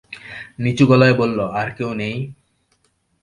নিচু গলায় বলল, আর কেউ নেই?